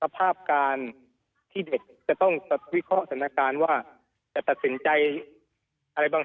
ภาพการที่เด็กจะต้องวิเคราะห์สถานการณ์ว่าจะตัดสินใจอะไรบ้าง